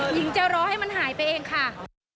หญิงจะรอให้มันหายไปเองค่ะ